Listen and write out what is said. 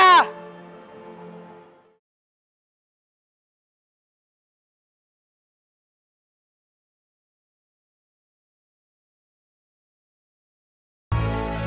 presiden tadi selesai